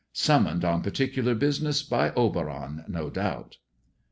Summoned on particular business by Oberon, no doubt."